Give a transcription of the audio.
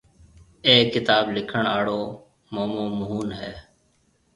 اَي ڪتآب لِکڻ آݪو مومو موهن هيَ۔